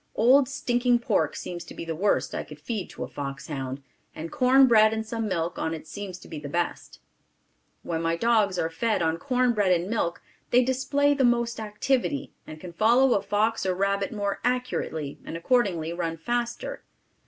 Old stinking pork seems to be the worst I could feed to a fox hound, and corn bread and some milk on it seems to be the best. When my dogs are fed on cornbread and milk they display the most activity, and can follow a fox or rabbit more accurately and accordingly run faster.